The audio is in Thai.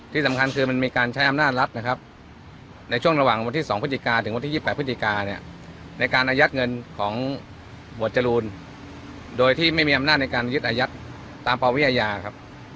ที่สำคัญคือมันมีการใช้อำนาจรัฐนะครับในช่วงระหว่างวันที่๒พฤศจิกาถึงวันที่๒๘พฤศจิกาเนี่ยในการอายัดเงินของหมวดจรูนโดยที่ไม่มีอำนาจในการยึดอายัดตามปวิอาญาครับ